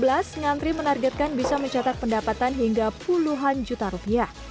akhir tahun dua ribu tujuh belas ngantri menargetkan bisa mencatat pendapatan hingga puluhan juta rupiah